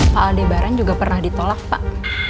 pak aldebaran juga pernah ditolak pak